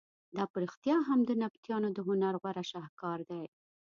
دا په رښتیا هم د نبطیانو د هنر غوره شهکار دی.